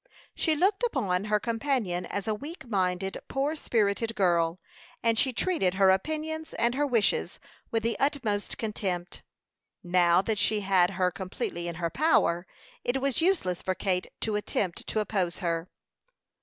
She looked upon her companion as a weak minded, poor spirited girl, and she treated her opinions and her wishes with the utmost contempt, now that she had her completely in her power. It was useless for Kate to attempt to oppose her.